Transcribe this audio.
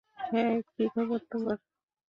হ্যাঁ, কী খবর তোমার?